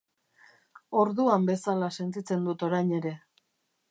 Orduan bezala sentitzen dut orain ere.